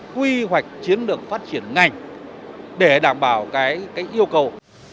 quy hoạch chiến lược phát triển ngành để đảm bảo cái yêu cầu